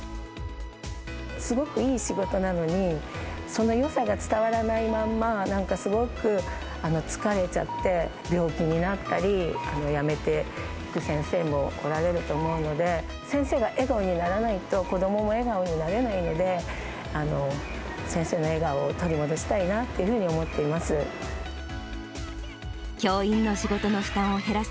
すごくいい仕事なのに、そのよさが伝わらないまま、なんかすごく疲れちゃって、病気になったり、辞めていく先生もおられると思うので、先生が笑顔にならないと、子どもも笑顔になれないので、先生の笑顔を取り戻したいなっていうふうに思っています。